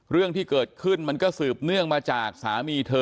เรื่องที่เกิดขึ้นมันก็สืบเนื่องมาจากสามีเธอ